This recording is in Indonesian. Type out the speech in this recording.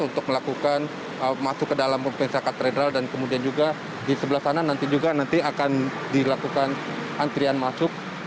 untuk melakukan masuk ke dalam konvensi katedral dan kemudian juga di sebelah sana nanti juga nanti akan dilakukan antrian masuk